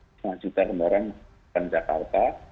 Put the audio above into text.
setengah juta kendaraan ke jakarta